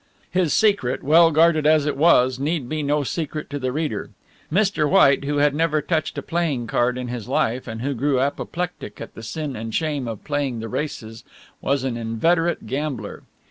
His secret, well guarded as it was, need be no secret to the reader. Mr. White, who had never touched a playing card in his life and who grew apoplectic at the sin and shame of playing the races, was an inveterate gambler.